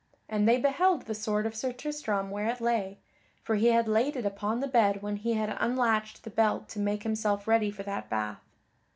And they beheld the sword of Sir Tristram where it lay, for he had laid it upon the bed when he had unlatched the belt to make himself ready for that bath.